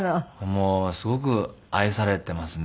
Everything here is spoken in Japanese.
もうすごく愛されていますね。